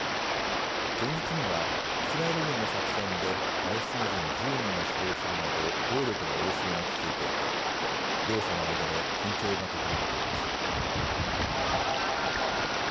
前日にはイスラエル軍の作戦でパレスチナ人１０人が死亡するなど暴力の応酬が続いていて両者の間で緊張が高まっています。